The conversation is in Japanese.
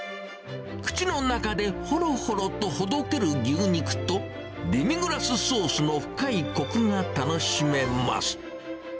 口の中でほろほろとほどける牛肉と、デミグラスソースの深いコクが楽しめます。